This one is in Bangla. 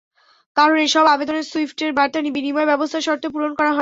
কারণ, এসব আবেদনে সুইফটের বার্তা বিনিময় ব্যবস্থার শর্ত পূরণ করা হয়নি।